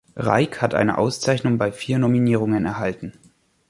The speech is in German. Reik hat eine Auszeichnung bei vier Nominierungen erhalten.